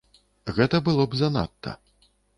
Гэта было б занадта.